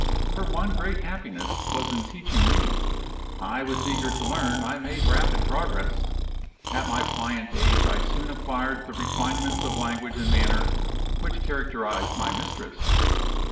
Her one great happiness was in teaching me. I was eager to learn; I made rapid progress. At my pliant age I soon acquired the refinements of language and manner which characterized my mistress.